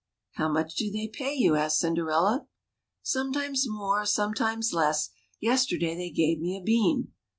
"How much do they pay you?" asked Cinderella. " Sometimes more, sometimes less. Yesterday they gave me a bean."